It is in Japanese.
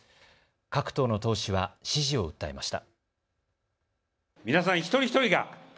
各党の党首は支持を訴えました。